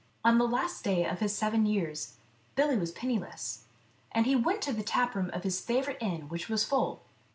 On the last day of his seven years Billy was penniless, and he went to the taproom of his favourite inn, which was full.